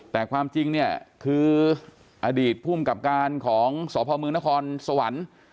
แต่ความจริงคืออดีตภูมิกับการของสอพเมืองนครสวรรค์